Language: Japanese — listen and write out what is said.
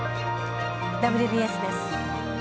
「ＷＢＳ」です。